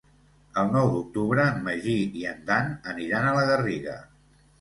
El nou d'octubre en Magí i en Dan aniran a la Garriga.